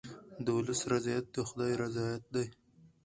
د ولس رضایت د خدای رضایت دی.